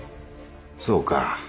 そうか。